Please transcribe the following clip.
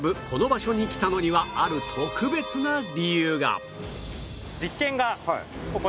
この場所に来たのにはある特別な理由が